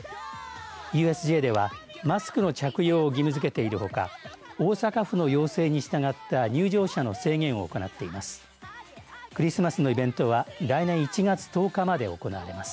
ＵＳＪではマスクの着用を義務づけているほか大阪府の要請に従った入場者の制限を行っています。